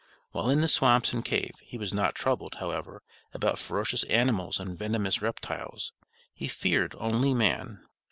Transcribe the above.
While in the swamps and cave, he was not troubled, however, about ferocious animals and venomous reptiles. He feared only man!